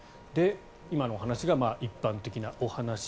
今のお話が一般的なお話。